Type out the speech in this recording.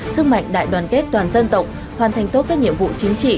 sức mạnh đại đoàn kết toàn dân tộc hoàn thành tốt các nhiệm vụ chính trị